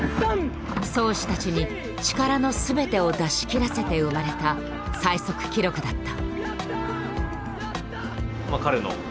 漕手たちに力の全てを出し切らせて生まれた最速記録だった。